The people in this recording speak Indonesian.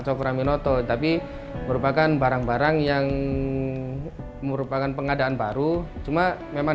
cokraminoto tapi merupakan barang barang yang merupakan pengadaan baru cuma memang